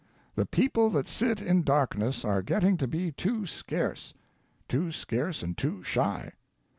The People that Sit in Darkness are getting to be too scarce — too scarce and too shy.